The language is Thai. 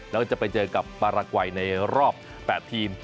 แล้วก็จะไปเจอกับปารากวัยในรอบ๘ทีม